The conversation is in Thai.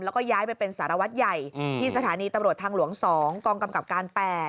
แล้วก็ย้ายไปเป็นสารวัตรใหญ่ที่สถานีตำรวจทางหลวง๒กองกำกับการ๘